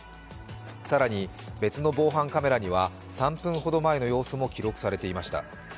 更に、別の防犯カメラには３分ほど前の様子も記録されていました。